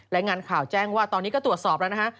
รายงานข่าวแจ้งว่าตอนนี้ก็ตรวจสอบแล้วนะฮะ